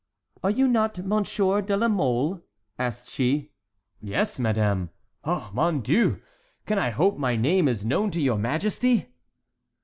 "Are you not Monsieur de la Mole?" asked she. "Yes, madame. Oh, mon Dieu! Can I hope my name is known to your majesty?"